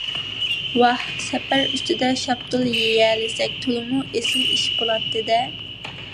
ۋاھ، سەپەر ئۈستىدە شاپتۇل يېيەلىسەك، تولىمۇ ئېسىل ئىش بولاتتى - دە!